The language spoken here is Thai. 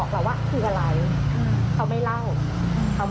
เด็กมีความรู้สึกว่าเด็กอยากเป็นพ่อ